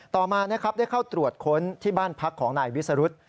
ต่อมานะครับได้เข้าตรวจค้นที่บ้านพักของนายวิสรุธ